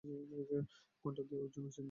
ঘন্টা দিয়ে অর্জুন সিম্বাকে পথ দেখাচ্ছে!